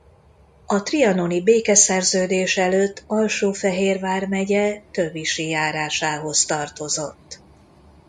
A trianoni békeszerződés előtt Alsó-Fehér vármegye Tövisi járásához tartozott.